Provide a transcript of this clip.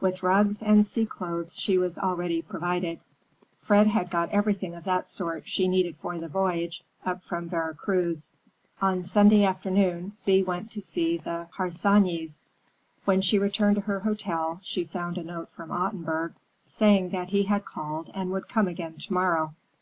With rugs and sea clothes she was already provided; Fred had got everything of that sort she needed for the voyage up from Vera Cruz. On Sunday afternoon Thea went to see the Harsanyis. When she returned to her hotel, she found a note from Ottenburg, saying that he had called and would come again to morrow.